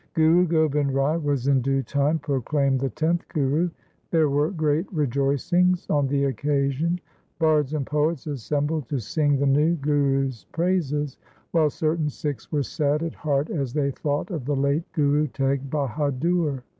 Guru Gobind Rai was in due time proclaimed the tenth Guru. There were great rejoicings on the occasion. Bards and poets assembled to sing the new Guru's praises while certain Sikhs were sad at heart as they thought of the late Guru Teg Bahadur.